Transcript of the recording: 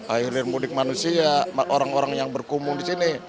air remunik manusia orang orang yang berkumpul di sini